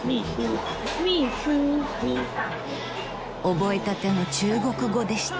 ［覚えたての中国語でした］